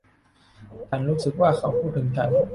ฉันรู้สึกว่าเค้าพูดถึงฉัน